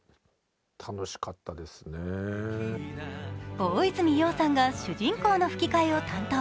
大泉洋さんが主人公の吹き替えを担当。